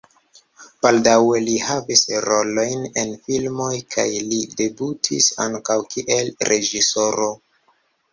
Baldaŭe li havis rolojn en filmoj kaj li debutis ankaŭ kiel reĝisoro.